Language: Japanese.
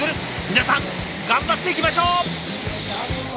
皆さん頑張っていきましょう！